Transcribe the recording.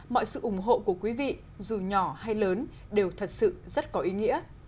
mọi sự ủng hộ của quý vị dù nhỏ hay lớn đều thật sự rất có ý nghĩa